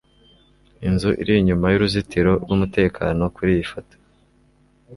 inzu iri inyuma y'uruzitiro rwumutekano kuriyi foto